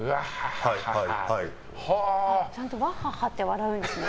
ちゃんとワハハって笑うんですね。